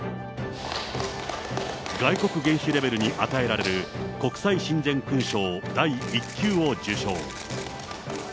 外国元首レベルに与えられる国際親善勲章第一級を受章。